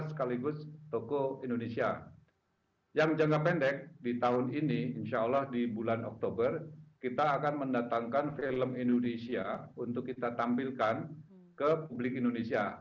sekaligus toko indonesia yang jangka pendek di tahun ini insya allah di bulan oktober kita akan mendatangkan film indonesia untuk kita tampilkan ke publik indonesia